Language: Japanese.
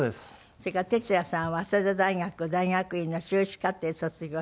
それからＴＥＴＳＵＹＡさんは早稲田大学大学院の修士課程卒業して。